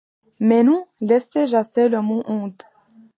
Mais non, laissez jaaser le mon… onde.